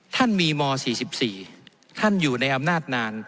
ท่านมีม๔๔ท่านอยู่ในอำนาจนาน